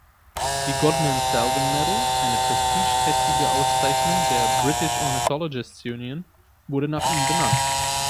Die Godman-Salvin Medal, eine prestigeträchtige Auszeichnung der British Ornithologists’ Union, wurde nach ihm benannt.